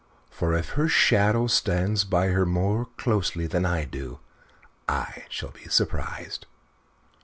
For if her shadow stays by her more closely than I do I shall be surprised."